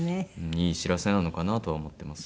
いい知らせなのかなとは思ってますね。